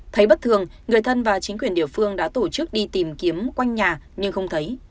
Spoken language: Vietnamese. thấy bất thường người thân và chính quyền địa phương đã tổ chức đi tìm kiếm quanh nhà nhưng không thấy